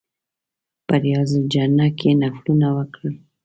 په ریاض الجنه کې نفلونه وکړل.